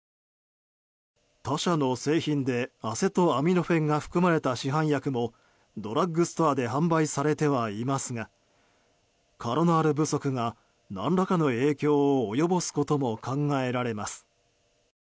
他社の製品でアセトアミノフェンが含まれた市販薬もドラッグストアで販売されてはいますがカロナールの不足が何らかの影響を及ぼすことも考えられます。